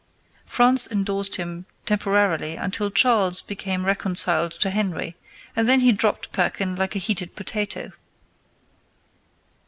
France endorsed him temporarily until Charles became reconciled to Henry, and then he dropped Perkin like a heated potato.